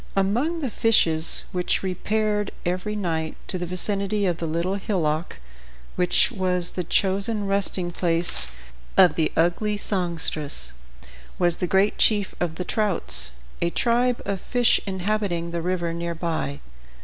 Among the fishes which repaired every night to the vicinity of the Little Hillock, which was the chosen resting place of the ugly songstress, was the great chief of the trouts, a tribe of fish inhabiting the river near by.